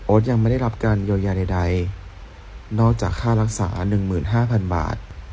โอ๊ตยังไม่ได้รับการโยยายใดใดนอกจากค่ารักษาหนึ่งหมื่นห้าพันบาท